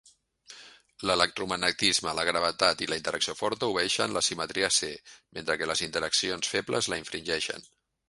L'electromagnetisme, la gravetat i la interacció forta obeeixen la simetria C, mentre que les interaccions febles la infringeixen.